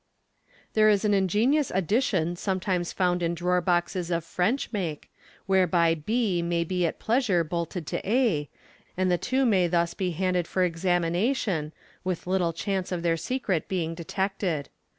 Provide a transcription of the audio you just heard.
There is an ingenious ad dition sometimes found in drawer boxes of French make, whereby b may be at pleasure bolted to a, and the two may thus be handed for examina tion, with little chance of their secret being detected.